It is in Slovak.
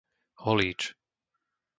Holíč